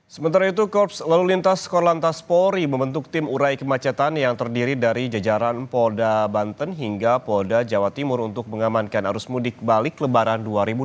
sementara itu korps lalu lintas korlantas polri membentuk tim urai kemacetan yang terdiri dari jajaran polda banten hingga polda jawa timur untuk mengamankan arus mudik balik lebaran dua ribu dua puluh